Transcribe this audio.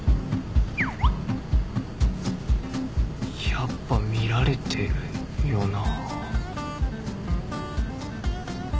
やっぱ見られてるよな